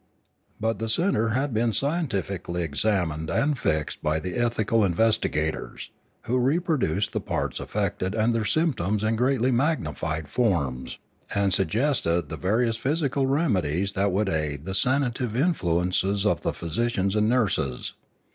But the centre had been scien tifically examined and fixed by the ethical investigators, who reproduced the parts affected and their symptoms in greatly magnified forms, and suggested the various physical remedies that would aid the sanative influ ences of the physicians and nurses.